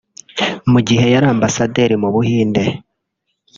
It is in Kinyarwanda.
Mu gihe yari Ambasaderi mu Buhinde